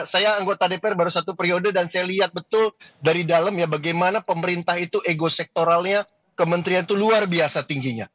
saya anggota dpr baru satu periode dan saya lihat betul dari dalam ya bagaimana pemerintah itu ego sektoralnya kementerian itu luar biasa tingginya